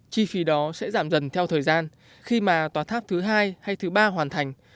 chi phí đó sẽ giảm dần theo thời gian khi mà tòa tháp thứ hai hay thứ ba hoàn thành